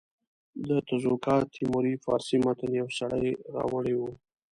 د تزوکات تیموري فارسي متن یو سړي راوړی وو.